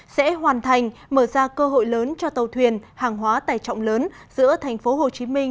sẽ hoàn thành mở ra cơ hội lớn cho tàu thuyền hàng hóa tài trọng lớn giữa thành phố hồ chí minh